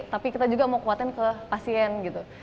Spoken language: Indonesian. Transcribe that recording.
tapi kita juga mau kuatin ke pasien gitu